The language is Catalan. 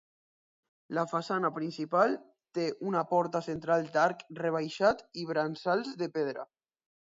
La façana principal té una porta central d'arc rebaixat i brancals de pedra.